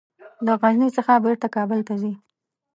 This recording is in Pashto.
له غزني څخه بیرته کابل ته ځي.